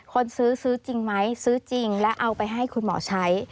คนซื้อซื้อจริงไหมซื้อจริงและเอาไปให้คุณหมอใช้